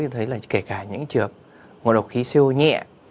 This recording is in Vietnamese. người ta thấy là kể cả những trường hợp nguồn độc khí siêu nhẹ